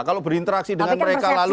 kalau berinteraksi dengan mereka lalu